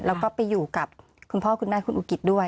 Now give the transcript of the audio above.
แล้วก็ไปอยู่กับคุณพ่อคุณแม่คุณอุกิตด้วย